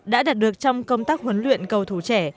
đã đạt được trong công tác huấn luyện cầu thủ trẻ